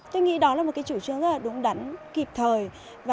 tôi nghĩ đó là một chủ trương rất là đúng đắn kịp thời